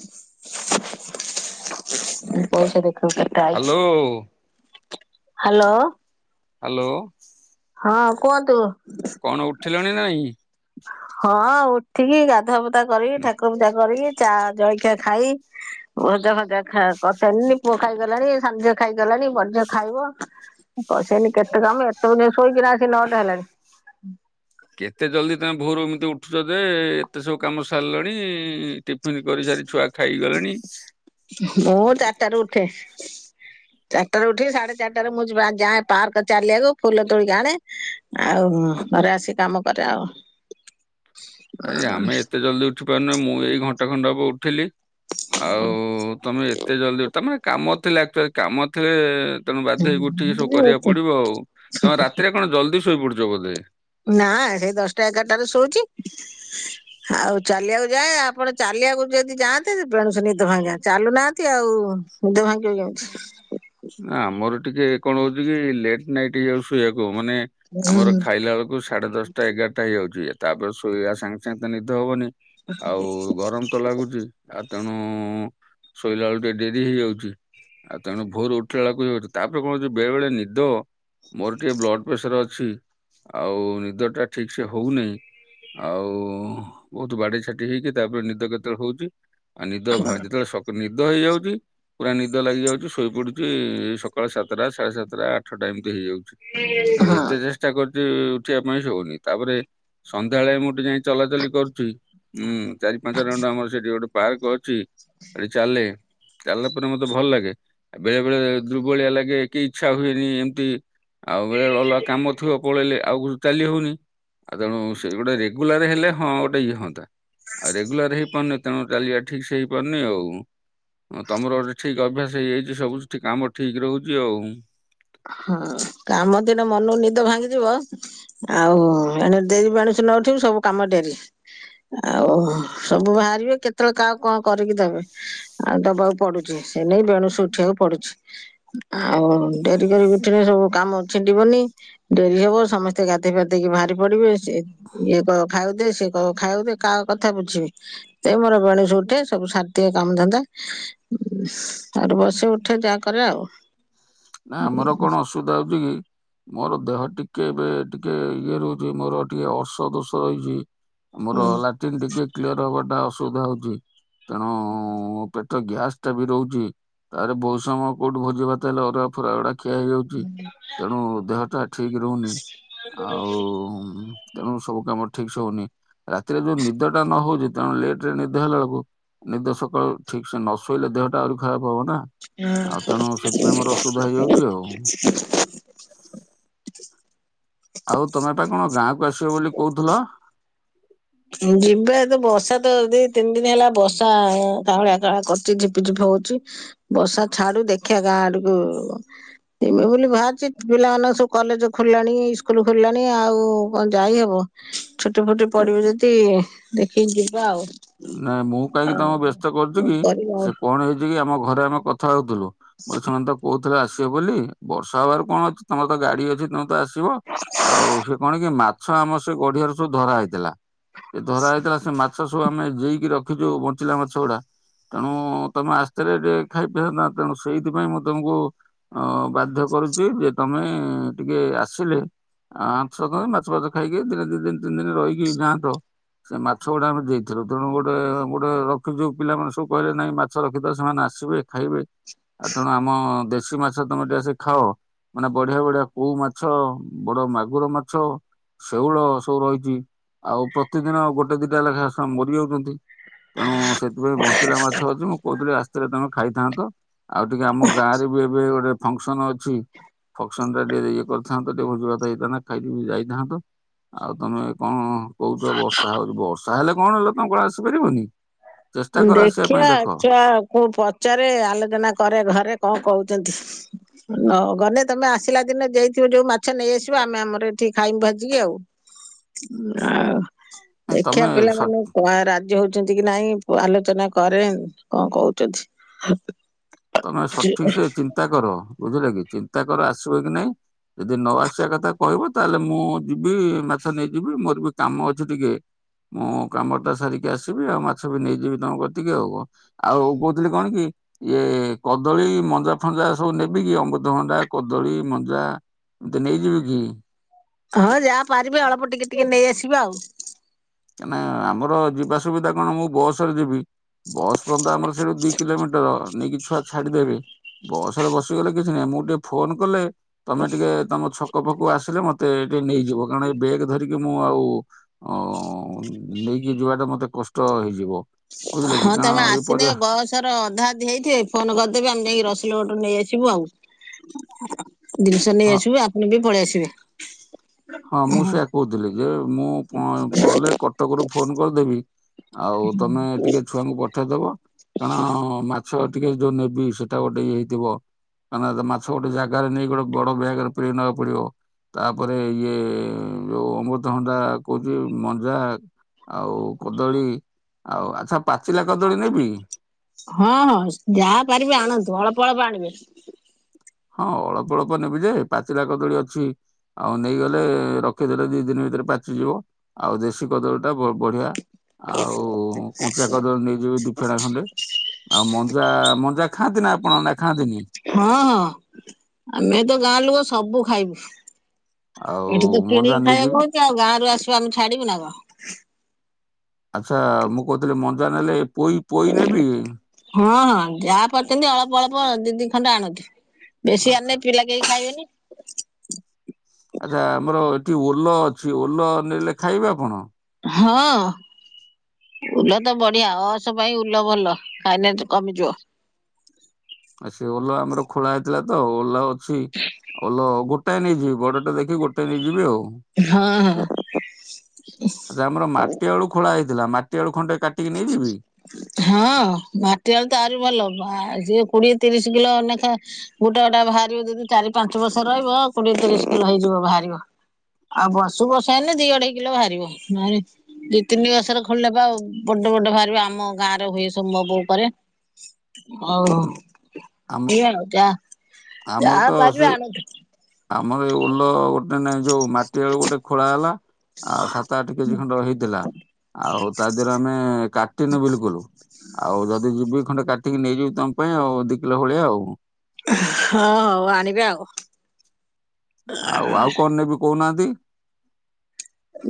ଉ ପଇସା ଦେଖଉଛି। Hello [unintelligible] hello. ହ୍ୟାଲୋ। ହଁ କୁହନ୍ତୁ। କଣ ଉଠିଲଣି ନା ନାଇଁ? ହଁ ଉଠିକି ଗାଧୁଆ ପାଧୁଆ କରିକି ଠାକୁର ପୂଜା କରିକି ଚା ଜଳଖିଆ ଖାଇ ଭଜା ଫଜା ଖା କରି ସାରିଲିଣି। ପୁଅ ଖାଇ ଗଲାଣି, ସାନ ଝିଅ ଖାଇକି ଗଲାଣି ବଡ ଝିଅ ଖାଇବ। କରି ସାରିଲେଣି କେତେ କାମ ଏତବେଳ ଯାଏଁ ଶୋଇକିରା ଆସିକି ନଅଟା ହେଲାଣି। କେତେ ଜଲ୍ଦି ତମେ ଭୋର ଏମିତି ଉଠୁଛ ଯେ-ଏ-ଏ ଏତେ ସବୁ କାମ ସାରିଲଣି-ଇ-ଇ-ଇ ଟି ଟିଫିନ୍ କରିସାରି ଛୁଆ ଖାଇଗଲେଣି? ଭୋର୍ ଚାରିଟାରୁ ଉଠେ, ଚାରିଟାରୁ ଉଠେ ସାଢେ ଚାରିଟାରେ ମୁଁ ଯ ଯାଏ ପାର୍କ ଚାଲିବାକୁ ଫୁଲ ତୋଳିକି ଆଣେ ଆଉ ଘରେ ଆସିିକି କାମ କରେ ଆଉ। ଆଜ୍ଞା ଆମେ ଏତେ ଜଲଦି ଉଠି ପାରୁନୁ ମୁଁ ଏଇ ଘଣ୍ଟେ ଖଣ୍ଡେ ହବ ଉଠିଲି। ଆଉ-ଉ-ଉ ତମେ ଏତେ ଜଲଦି ତମେ କାମ ଥିଲେ ଆକଚୁଆଲି କାମ ଥିଲେ-ଏ-ଏ-ଏ ତେଣୁ ବାଧ୍ୟ ହେଇକି ଉଠିକି ସବୁ କରିବାକୁ ପଡିବ ଆଉ। ତମେ ରାତିରେ କଣ ଜଲ୍ଦି ଶୋଇପଡୁଛ ବୋଧେ? ନା-ଆ-ଆ ସେଇ ଦଶଟା ଏଗାରଟାରେ ଶୋଉଛି। ଆଉ ଚାଲିବାକୁ ଯାଏ ଆପଣ ଚାଲିବାକୁ ଯଦି ଯାଆନ୍ତ୍ [unintelligible] ନିିଦ ଭାଙ୍ଗେ ଚାଲୁନାହାନ୍ତି ଆଉ-ଉ-ଉ-ଉ ଆ ଆମର ଟିକେ କଣ ହଉଛି କି ଲେଟ୍ ନାଇଟ୍ ହେଇଯାଉ ଶୋଇବାକୁ-ଉ-ଉ ମାନେ ଆମର ହୁଁ, ଖାଇଲା ବେଳକୁ ସାଢେ ଦଶଟା ଏଗାରଟା ହେଇଯାଉଛି। ତାପରେ ଶୋଇବା ସାଙ୍ଗେ ସାଙ୍ଗେ ତ ନିଦ ହବନି। ଆଉ-ଉ-ଉ-ଉ ଗରମ ତ ଲାଗୁଛି ଆଉ ତେଣୁ-ଉ-ଉ-ଉ ଶୋଇଲା ବେଳକୁ ଟିକେ ଡେରି ହେଇଯାଉଛି। ଆଉ ତେଣୁ ଭୋର ଉଠିଲା ବେଳକୁ ଯ ତାପରେ କଣ ହଉଛି ବେଳେ ବେଳେ ନିଦ ମୋର ଟିକେ ବ୍ଲଡ ପ୍ରେସର ଅଛି ଆଉ-ଉ-ଉ ନିଦ ଟା ଠିକ ସେ ହଉ ନାହିଁ। ଆଉ-ଉ-ଉ ବହୁତ ବାଡେଇ ଛାଟେଇ ହେଇକି ତାପରେ ନିଦ କେତେବେଳେ ହଉଛି। ଆଉ ନିଦ ଭା ଯେତେବେଳେ ସ ନିଦ ହେଇଯାଉଛି ପୁରା ନିଦ ଲାଗି ଯାଉଛି ଶୋଇ ପଡୁଛି-ଇ-ଇ-ଇ ସକାଳ ସାତଟା ସାଢେ ସାତଟା ଆଠଟା ଏମିତି ହେଇଯାଉଛି। ହଁ ଯେତେ ଚେଷ୍ଟା କରୁଛି-ଇ-ଇ ଉଠିବା ପାଇଁ ସେ ହଉନି ତାପରେ ସନ୍ଧ୍ୟାବେଳେ ମୁଁ ଟିକେ ଯାଇ ଚଲାଚଲି କରୁଛି ଉଁ। ଚାରି ପାଞ୍ଚ ରାଉଣ୍ଡ ଆମର ସେଠି ଗୋଟେ ପାର୍କ ଅଛି ସେଠି ଚାଲେ ଚାଲିଲ ଉପରେ ମତେ ଭଲ ଲାଗେ ବେଳେ ବେଳେ ଦୁର୍ବଳିଆ ଲାଗେ କେହି ଇଚ୍ଛା ହୁଏନି ଏମିତି ଆଉ ବେଳେ ଅଲଗା କାମ ଥିଅ ପଳେଇଲେ ଆଉ ଚାଲି ହଉନି ଆଉ ତେଣୁ ସେ ଗୋଟେ ରେଗୁଲାର ହେଲେ ହଁ ଗୋଟେ ଇଏ ହନ୍ତା। ଆଉ ରେଗୁଲାର ହେଇପାରୁନି ତେଣୁ ଚାଲିବା ଠିକ ସେ ହେଇପାରୁନି ଆଉ ତମର ଠିକ ଅଭ୍ୟାସ ହେଇଯାଇଛି ସବୁ ସେଠି କାମ ଠିକ ରହୁଛି ଆଉ ହଁ କାମ ଦିନ ମନକୁ ନିଦ ଭାଙ୍ଗିଯିବ ଆଉ ଏଣ [unintelligible] ନ ଉଠିବି ସବୁ କାମ ଡେରି ଆଉ ସବୁ ବାହାରିବେ କେତେବେଳେ କହା କଣ କରିକି ଦେବେ। ଆଉ ଦବାକୁ ପଡୁଛି ସେ ନେଇ ବେଣୁସୁ ଉଠିବାକୁ ପଡୁଛି ଆଉ ଡେରି କରିକି ଉଠିଲେ ସବୁ କାମ ଛିଣ୍ଡିବନି ଡେରି ହବ ସମସ୍ତେ ଗାଧୋଇ ଫେଧେଇକି ବାହାରି ପଡିବେ ସେ ଇଏ କହିବ ଖାଇବାକୁ ଦେ ସିଏ କହିବ ଖାଇବାକୁ ଦେ କାହା କଥା ବୁଝିବି। ଏ ମୋର ବେଣୀଶୁ ଉଠେ ସବୁ ସାରିଦିଏ କାମଧନ୍ଦା। ଉଶୁ ତା ପରେ ବସ ଉଠେ ଯାହାକରେ ଆଉ ନା ଆମର କଣ ଅସୁବିଧା ହଉଛି କି? ମୋର ଦେହ ଟିକେ ଏ ଟିକେ ଇଏ ରହୁଛି ମୋର ଟିକେ ଅର୍ସ ଦୋଷ ରହିଛି। ମୋର ଲାଟି୍ନ ଟିକେକ୍ଲିୟର ହବାଟା ଅସୁବଧା ହଉଛି। ତେଣୁ ପେଟ ଗ୍ୟାସ ଟା ବି ରହୁଛି। ତାରେ ବୋହୁତ ସମୟ କୋଉଠ ଭୋଜି ଭାତ ହେଲେ ଅରୁଆ ଫୁରା ଗୁଡା ଖିଆ ହେଇଯାଉଛି ତେଣୁ ଦେହଟା ଠିକ ରହୁନି ଆଉ ତେଣୁ ସବୁ କାମ ଠିକ ସେ ହଉନି ରାତିରେ ଯୋଉ ନିଦ ଟା ନ ହଉଛି ତେଣୁ ଲେଟ ରେ ନିଦ ହେଲା ବେଳକୁ। ନିଦ ସକାଳୁ ଠିକ ସେ ନ ଶୋଇଲେ ଦେହଟା ଆହୁରି ଖରାପ ହବ ନା ଆଉ ତେଣୁ ସେଥିପାଇଁ ମୋର ଅ ସୁଧା ହେଇଯାଉଛି ଆଉ। ଆଉ ତମେ ପା କଣ ଗାଁକୁ ଆସିବ ବୋଲି କହୁଥିଲ? ଯିବା ତ ବର୍ଷା ତ ଦି ତିନି ଦିନ ହେଲା ବର୍ଷା କାଉଁଳିଆ କାଁଳିଆ କରୁଚି ଝିପି ଝିପ ହଉଛି। ବର୍ଷା ଛାଡୁ ଦେଖିବା ଗାଁ ଆଡକୁ। ଜୀମି ବୋଲି ବାହାରିଛି ପିଲା ମାନଙ୍କ ସବୁ କଲେଜ ଖୋଲିଲାଣି ଇସ୍କୁଲ ଖୋଲିଲାଣି ଆଉ କଣ ଯାଇହବ। ଛୁଟି ଫୁଟି ପଡିବ ଯଦି ଦେଖିକି ଯିବା ଆଉ। ନାଇ ମୁଁ କାହିଁକି ଆଉ ତମକୁ ବ୍ୟସ୍ତ କରୁଛି କଣ କି କରିବା ଆଉ ସେ କଣ ହେଇଛି କି ଆମ ଘରେ ଆମେ କ ଥା ହଉଥିଲୁ ବୋଲେ ସେମାନେ ତ କହୁଥିଲେ ଆସିବେ ବୋଲି ବର୍ଷା ହେବାରୁ କଣ ଅଛି ତମର ତ ଗାଡି ଅଛି ତମେ ତ ଆସି ଯିବ ଆଉ ସେ କଣ କି ମାଛ ଆମର ସେ ଗଡିିଆରେ ସବୁ ଧରା ହେଇଥିଲା ସେ ଧରା ହେଇଥିଲା। ସେ ମାଛ ସବୁ ଆମେ ଯଇକି ରଖିଛୁ ବଞ୍ଚିଲା ମାଛ ଗୁଡା। ତେଣୁ ତମେ ଆସ୍ତିଲେ ଟିକେ ଖାଇ ପିନ୍ତା ତେଣୁ ସେଇଥିପାଇଁ ମୁଁ ତମକୁ ଅ ବାଧ୍ୟ କରୁଛି ଯେ ତମେ ଟିକେ ଆସିଲେ। ଆଛ ନ୍ତ ମାଛ ଫାଛ ଖାଇକି ଦିନେ ଦି ଦିନ ତିନି ଦିନ ରହିକି ଯାଆନ୍ତ। ସେ ମାଛ ଗୁଡା ଆମେ ଦେଇଥିଲୁ। ତେଣୁ ଗୋଟେ ଗୋଟେ ରଖି ଯୋଉ ପିଲାମାନେ ସବୁ କହିଲେ ନାଇଁ ମାଛ ରଖିଥ ସେମାନେ ଆସିବେ ଖାଇବେ। ଆଉ ତେଣୁ ଆମ ଦେଶୀ ମାଛ ତମେ ଟିକେ ଆସି ଖାଅ। ମାନେ ବଢିଆ ବଢିଆ କୋଉ ମାଛ ବଡ ମାଗୁର ମାଛ। ଶେଉଳ ସବୁ ରହିଛି ଆଉ ପ୍ରତିଦିନ ଗୋଟେ ଦିଟା ଲେଖାଏସ ମରିିବାକୁ ତେଣୁ ସେଥିପାଇଁ ବଞ୍ଚିଲା ମାଛ ଅଛି ମୁଁ କହୁଥିଲି ଆସ୍ତିଲେ ତମେ ଖାଇଥାନ୍ତ। ଆଉ ଟିକେ ଆମ ଗାଁ ରେ ବି ଏବେ ଗୋଟେ। ଫଙ୍କସନ ଅଛି ଫଙ୍କସନ ଟା ଟିକେ ଇଏ କରିଥାନ୍ତ। ଟିକେ ଭୋଜି ଭାତ ହେଇଥାନ୍ତ ଖାଇ ପିଇ ଯାଇଥାନ୍ତ। ଆଉ ତମେ ଏ କଣ କହୁଛ ବର୍ଷା ହଉଛି ବର୍ଷା ହେଲେ କଣ ହେଲେ ତମ କଣ ଆସିପାରିବନି? ଚେଷ୍ଟା କର ଆସିବା ପାଇଁ ଦେଖିବା ଦେଖ ଛୁଆ କୁ ପଚାରେ ଆଲୋଚନା କରେ ଘରେ କଣ କହୁଛନ୍ତି। ନ ଗଲେ ତମେ ଆସିଲା ଦିନ ଯେଇଥିବ ଯୋଉ ମାଛ ନେଇଆସିବ ଆମେ ଆମର ଏଠିକି ଖାଇମୁ ଭାଜିକି ଆଉ। ଆଉ ତମେ ଦେଖିଆ ସ ପିଲାମାନେ କ ରାଜି ହଉଚନ୍ତିକି ନାଇଁ ମୁଁ ଆଲୋଚନା କରେ କଁ କୋଉଚନ୍ତି। ତମେ ସଠିକସେ ଚିନ୍ତା କର ବୁଝିଲେକି ଚିନ୍ତା କର ଆସିବକି ନାଇଁ ଯେଦି ନଆସିବା କଥା କହିବ ତାହେଲେ ମୁଁ ଯିବି ମାଛ ନେଇଯିବି ମୋରବି କାମ ଅଛି ଟିକେ ମୁଁ କାମଟା ସାରିକି ଆସିବି ଆଉ ମାଛବି ନେଇଯିବି ତମ କତିକି ଆଉ କଣ। ଆଉ କଉଥିଲି କଣକି ଇଏ କଦଳୀ ମଞ୍ଜା ଫଞ୍ଜା ସବୁ ନେବିକି ଅମୃତଭଣ୍ଡା କଦଳୀ ମଞ୍ଜା? ମୁଁତ ନେଇଯିବିକି? ହଁ ଯାହା ପାରିବେ ଅଳ୍ପ ଟିକେ ଟିକେ ନେଇ ଆସିବେ ଆଉ। କାନା ଆମର ଯିବା ସୁବିଧା କଣ ମୁଁ ବସରେ ଯିବି। ବସ୍ ପର୍ଯ୍ୟନ୍ତ ଆମର ସେଇଠୁ ଦି କିଲୋମିଟର୍ ନେଇକି ଛୁଆ ଛାଡ଼ିଦେବେ। ବସରେ ବସିଗଲେ କିଛି ନାହିଁ ମୁଁଟିକେ ଫୋନ୍ କଲେ ତମେ ଟିକେ ତମ ଛକ ପାଖକୁ ଆସିଲେ ମତେ ଏଟିକେ ନେଇଯିବ କାରଣ ଏଇ ବ୍ୟାଗ ଧରିକି ମୁଁ ଆଉ ଅ ନେଇକି ଯିବାଟା ମତେ କଷ୍ଟ ହେଇଯିବ। ବୁଝିଲେ କି ହଁ କାରଣ ତମେ ଏଇ ଆସିନେ ପରିବା ବସ୍ ସର ଅଧା ଅଧି ହେଇଥିବେ ଫୋନ୍ କରିଦେବେ ଆମେ ଯାଇକି ରସଲଗଡ଼ରୁ ନେଇ ଆସିବୁ ଆଉ। ଦିନିଷ ନେଇ ହଁ ଆସିବୁ ଆପଣବି ପଳେଇ ଆସିବେ। ହଁ ମୁଁ ସେଇଆ କହୁଥିଲି ଯେ ମୁଁ କଗଲେ କଟକରୁୁ ଫୋନ୍ କରିଦେବି ଆଉ ତମେ ଟିକେ ଛୁଆଙ୍କୁ ପଠେଇଦବ କାରଣ ମାଛ ଟିକେ ଯୋଉ ନେବି ସେଟା ଗୋଟେ ଇଏ ହେଇଥିବ। କଁନା ମାଛ ଗୋଟେ ଜାଗାରେ ନେଇକ ଗୋଟେ ବଡ଼ ବ୍ୟାଗରେ ପୁରେକି ନବାକୁ ପଡ଼ିବ ତାପରେ ଇଏ ଯୋଉ ଅମୃତହଣ୍ଡା କହୁଚି ମଞ୍ଜା ଆଉ କଦଳୀ ଆଉ ଆଚ୍ଛା ପାଚିଲା କଦଳୀ ନେବି? ହଁ ହଁ ଯାହା ପାରିବେ ଆଣନ୍ତୁ ଅଳ୍ପ ଅଳ୍ପ ଆଣିବେ। ହଁ ଅଳ୍ପ ଅଳ୍ପ ନେବିଯେ ପାଚିଲା କଦଳୀ ଅଛି। ଆଉ ନେଇଗଲେ ରଖିଦେଲେ ଦି ଦିନି ଭିତରେ ପାଚିଯିବ। ଆଉ ଦେଶୀ କଦଳୀ ଟା ବ-ବଢିଆ। ଆଉ କଞ୍ଚା କଦଳୀ ନେଇଯିବି ଦି ଫେଣା ଖଣ୍ଡେ। ଆଉ ମଞ୍ଜା ମଞ୍ଜା ଖାଆନ୍ତିନା ଆପଣ ନା ଖାଆନ୍ତିନି? ହଁ ହଁ ଆମେତ ଗାଁ ଲୋକ ସବୁ ଖାଇବୁ। ଆଉ ଏଠିତ ମଞ୍ଜା କିଣିକି ନେଇଯିବି ଖାଇବାକୁ ହଉଚି ଆଉ ଗାଁରୁ ଆଶିବ ଆମେ ଛାଡ଼ିବୁନା କଣ? ଆଚ୍ଛା ମୁଁ କହୁଥିଲି ମଞ୍ଜା ନେଲେ ପୋଇ ପୋଇ ନେବି? ହଁ ହଁ ଯାହା ପାରୁଚନ୍ତି ଅଳ୍ପ ଅଳ୍ପ ଦି ଦି ଖଣ୍ଡେ ଆଣନ୍ତୁ ବେଶୀ ଆଚ୍ଛା ଆଣିଲେ ପିଲା କେହି ଖାଇବେନି। ଆଚ୍ଛା ଆମର ଏଠି ଓଲ ଅଛି ଓଲ ନେଲେ ଖାଇବା ଆପଣ? ହଁ। ଉଲତ ବଢିଆ ଅର୍ଶ ପାଇଁ ଉଲ ଭଲ ଖାଇଲେ କମିଯିବ। ଆ ସେ ଓଲ ଆମର ଖୋଳା ହେଇଥିଲାତ ଓଲ ଅଛି ଓଲ ଗୋ ଟାଏ ନେଇଯିବି ବଡ଼ଟେ ଦେଖି ଗୋଟେ ନେଇଯିବି ଆଉ।। ହଁ ହଁ। ଆଚ୍ଛା ଆମର ମାଟି ଆଳୁ ଖୋଳା ହେଇଥିଲା ମାଟି ଆଳୁ ଖଣ୍ଡେ କା [inaudible] ହଁ ମାଟି ଆଳୁତ ଆହୁରି ଭଲ ବା ଯେ କୋଡିଏ ତିରିଶି କିଲୋ ନେଖା ଗୋଟେ ଗୋଟେ ବାହାରିବ ଯଦି ଚାରି ପାଞ୍ଚ ବର୍ଷ ରହିବ କୋଡ଼ିଏ ତିରିଶି କିଲୋ ହେଇଯିବ ବାହାରିବ। ଆଉ ବର୍ଷ ବର୍ଷକୁ ହେନେ ଦି ଅଢେଇ କିଲୋ ବାହାରିବ ନହେନେ ଦି ତିନି ବର୍ଷରେ ଖୋଳିନେ ପା। ବଡ ବଡ ବାହାରିବେ ଆମ ଗାଆଁରେ ହୁଏ ସବୁ ମୋ ବୋଉ କରେ। ହଉ ହଉ ଆମ ବୋହିଆଣ ଯା, ଯା ଆମର ତ ପାରିବେ ସେ ଆଣନ୍ତୁ। ଆମର ଏଇ ଓଲ ଓଡ୍ ନାଇଁ ନାଇଁ, ଯୋଉ ମାଟି ଆଳୁ ଗୋଟେ ଖୋଳା ହେଲା ଆ ସାତ ଆଠ କେଜି ଖଣ୍ଡ ହେଇଥିଲା। ଆଉ ତା ଦେହରେ ଆମେ କାଟିନୁ ବିଲକୁଲ୍ ଆଉ ଯଦି ଯିବି ଖଣ୍ଡେ କା କାଟିକି ନେଇଯିବି ତମ ପାଇଁ ଆଉ ଦି କିଲ ଭଳିଆ ଆଉ। ହଁ ହଉ ଆଣିବେ ଆଉ। ଆଉ, ଆଉ କଣ ନେବି କହୁନାହାନ୍ତି?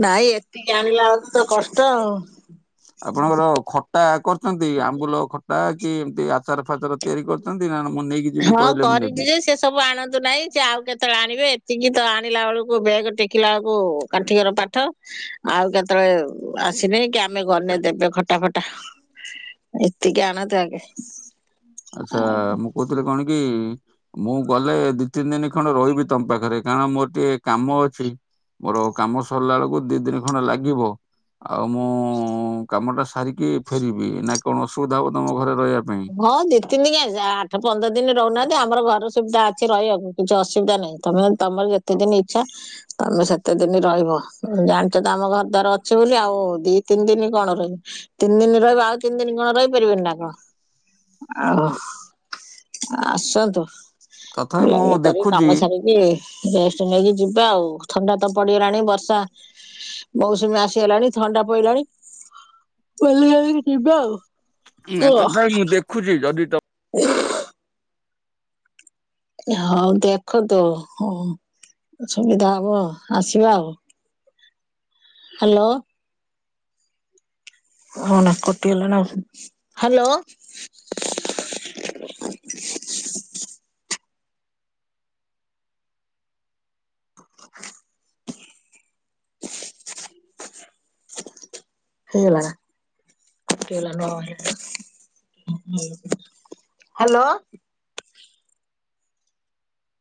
ନାଇଁ ଏତିକି ଆଣିଲା ବେଳକୁ ତ କଷ୍ଟ ଆଉ। ଆପଣଙ୍କର ଖ ଖଟା କରିୁଛନ୍ତି ଆମ୍ବୁଲ ଖଟା କି ଏମିତି ଆଚାର ଫାଚାର ତିଆରି କରିଛନ୍ତି ନା ମୁଁ ନେଇକି ଯିବି ହଁ କହିଲେ ମୁଁ ନେବି? କରିଛି ଯେ ସେ ସବୁ ଆଣନ୍ତୁ ନାହିଁ ସେ ଆଉ କେତେବେଳେ ଆଣିବେ ଏତିକି ତ ଆଣିଲା ବେଳକୁ ବ୍ୟେଗ ଟେକିଲା ବେଳକୁ କାଠିକର ପାଠ। ଆଉ କେତେବେଳେ ଆସିବେ କି ଆମେ ଗଲେ ଦେବେ ଖଟା ଫଟା। ଏତିକି ଆଣନ୍ତୁ ଆଗେ। ଆଚ୍ଛା ମୁଁ କହୁଥିଲି କଣ କି ମୁଁ ଗଲେ ଦି ତିନି ଦିନ ଖଣ୍ଡ ରହିବି ତମ ପାଖରେ କାରଣ ମୋର ଟିକେ କାମ ଅଛି। ମୋର କାମ ସରିଲା ବେଳକୁ ଦି ଦିନି ଖଣ୍ଡେ ଲାଗିବ। ଆଉ ମୁଁ-ଉ-ଉ-ଉ କାମଟା ସାରିକି ଫେରିବି ନା କଣ ଅସୁବିଧା ହବ ତମ ଘରେ ରହିବା ପାଇଁ? ହଁ ଦି ତିନି କାଇଁ ଆଠ ପନ୍ଦର ଦିନ ରହୁନାହାନ୍ତି ଆମର ଘର ସୁବିଧା ଅ ଅଛି ରହିବାକୁ କିଛି ଅସୁବିଧା ନାହିଁ ତମେ ତମର ଯେତେଦିନ ଇଚ୍ଛା। ତମେ ସେତେ ଦିନ ରହିବ ଜାଣିଛ ତ ଆମ ଘର ଦ୍ୱାର ଅଛି ବୋଲି ଆଉ ଦି ତିନି ଦିନ କଣ ରହିମି। ତିନି ଦିନ ରହିବ ଆଉ ତିନି ଦିନ କଣ ରହିପାରିବନି ନା କଣ? ଆଉ, ଆସନ୍ତୁ ତଥାପି ମୁଁ ବୁଲାବୁଲି କରିକି ଦେଖୁଛି କାମ ସାରି କି, ରେଷ୍ଟ ନେଇକି ଯିବେ ଆଉ ଥଣ୍ଡା ତ ପଡିଗଲାଣି ବର୍ଷା। ମୌସୁମୀ ଆସିଗଲାଣି ଥଣ୍ଡା ପଇଲାଣି ବୁଲି ବାଲିକି ଯିବ ଆଉ। ନା କୁହ? ତଥାପି ମୁଁ ଦେଖୁଛି ଯଦି ତ ହଉ ଦେଖନ୍ତୁ ହୁଁ ସୁବିଧା ହବ ଆସିବେ ଆଉ। ହ୍ୟାଲୋ। ଫୋନ୍ କଟିଗଲା ନା କଣ, ହ୍ୟାଲୋ। ହେଇଗଲା ବା। କଟିଗଲା ନା [inaudible] ହ୍ୟାଲୋ?